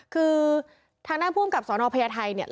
คือทางด้านภูมิกับสนพญาไทยเนี่ย